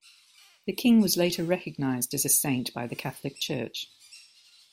The king was later recognized as a saint by the Catholic Church.